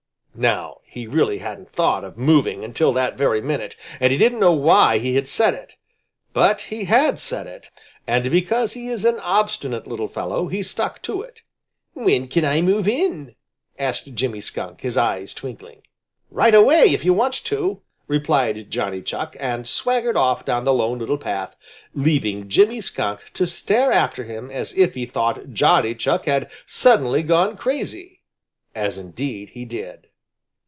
Now he really hadn't thought of moving until that very minute. And he didn't know why he had said it. But he had said it, and because he is an obstinate little fellow he stuck to it. "When can I move in?" asked Jimmy Skunk, his eyes twinkling. "Right away, if you want to," replied Johnny Chuck, and swaggered off down the Lone Little Path, leaving Jimmy Skunk to stare after him as if he thought Johnny Chuck had suddenly gone crazy, as indeed he did.